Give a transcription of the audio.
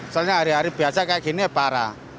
soalnya hari hari biasa kayak gini ya parah